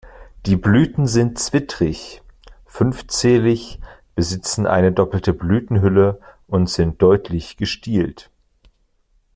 Die Blüten sind zwittrig, fünfzählig, besitzen eine doppelte Blütenhülle und sind deutlich gestielt.